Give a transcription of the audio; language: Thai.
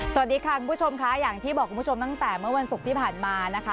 สวัสดีค่ะคุณผู้ชมค่ะอย่างที่บอกคุณผู้ชมตั้งแต่เมื่อวันศุกร์ที่ผ่านมานะคะ